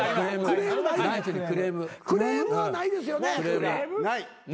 クレームはないですよね？